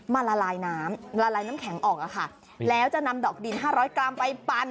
ละลายน้ำละลายน้ำแข็งออกอะค่ะแล้วจะนำดอกดิน๕๐๐กรัมไปปั่น